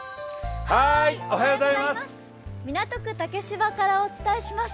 港区竹芝からお伝えします。